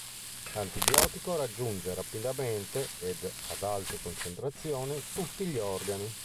L'antibiotico raggiunge rapidamente ed ad alte concentrazioni tutti gli organi.